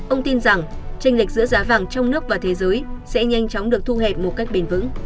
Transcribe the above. ông tin rằng tranh lệch giữa giá vàng trong nước và thế giới sẽ nhanh chóng được thu hẹp một cách bền vững